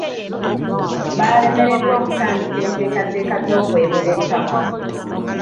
Balemeredwa okutandika enteekateeka z'okwerula ettaka.